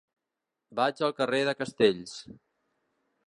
Vaig al carrer de Castells.